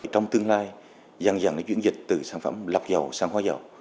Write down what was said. trong tương lai dần dần chuyển dịch từ sản phẩm lọc dầu sang hóa dầu